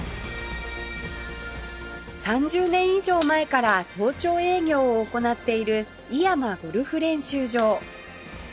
３０年以上前から早朝営業を行っている井山ゴルフ練習場